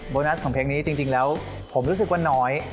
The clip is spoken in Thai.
โบนัสของเพลงนี้จริงแล้วผมรู้สึกว่าน้อย